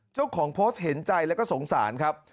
เจ้าของโพสต์เห็นใจแล้วก็สงสารครับ